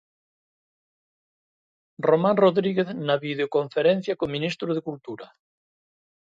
Román Rodríguez na videoconferencia co ministro de Cultura.